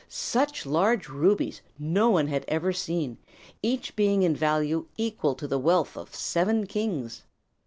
Such large rubies no one had ever seen, each being in value equal to the wealth of seven kings.